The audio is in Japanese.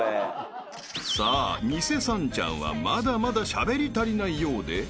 ［さあ偽さんちゃんはまだまだしゃべり足りないようで］